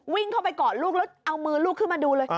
วิ่งเข้าไปกอดลูกแล้วเอามือลูกขึ้นมาดูเลย